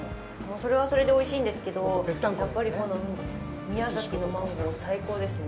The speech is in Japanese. それはそれでおいしいんですけど、やっぱりこの宮崎のマンゴー、最高ですね。